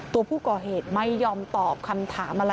ตัวผู้ก่อเหตุไม่ยอมตอบคำถามอะไร